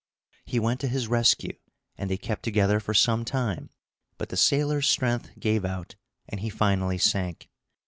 He went to his rescue, and they kept together for some time, but the sailor's strength gave out, and he finally sank.